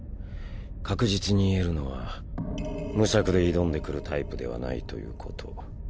確実に言えるのは無策で挑んでくるタイプではないということ。